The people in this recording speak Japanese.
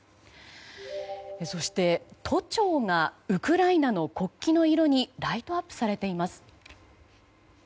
そして、都庁がウクライナの国旗の色にライトアップされています。